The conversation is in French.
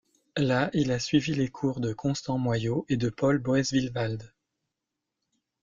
Là, il a suivi les cours de Constant Moyaux et de Paul Boeswillwald.